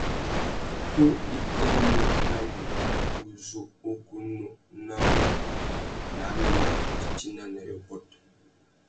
Ku i tà mú na mutu u zu ugunú na wô nà māh nitina na yôbôt.